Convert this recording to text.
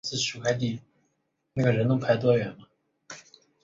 信仰者强调集体利益胜过个人主义。